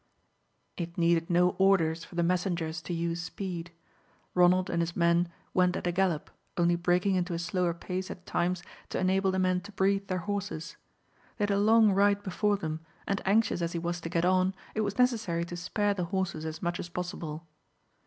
It needed no orders for the messengers to use speed. Ronald and his men went at a gallop, only breaking into a slower pace at times to enable the men to breathe their horses. They had a long ride before them, and anxious as he was to get on, it was necessary to spare the horses as much as possible.